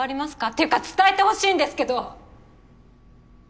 っていうか伝えてほしいんですけど。